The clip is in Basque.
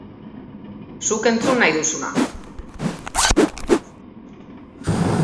Zuk entzun nahi duzuna!